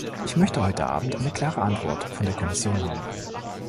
Ich möchte heute Abend eine klare Antwort von der Kommission haben.